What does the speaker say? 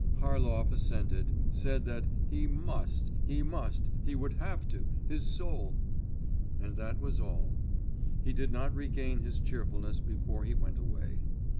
… Harlov assented, said that 'he must … he must … he would have to … his soul …' and that was all. He did not regain his cheerfulness before he went away.